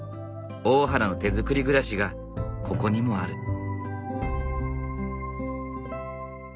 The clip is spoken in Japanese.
大原の手づくり暮らしがここにもある。